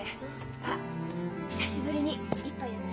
あっ久しぶりに一杯やっちゃう？